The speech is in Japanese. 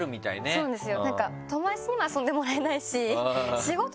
そうなんですよ！